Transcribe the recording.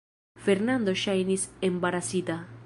Fernando ŝajnis embarasita.